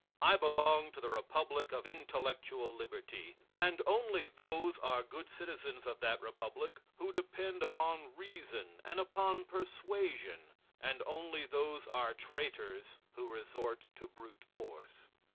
I belong to the republic of intellectual liberty, and only those are good citizens of that republic who depend upon reason and upon persuasion, and only those are traitors who resort to brute force.